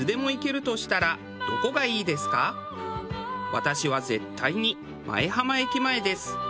私は絶対に舞浜駅前です。